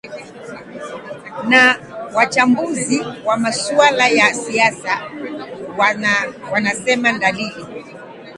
na wachambuzi wa masuala ya siasa wanasema dalili